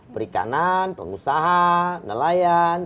perikanan pengusaha nelayan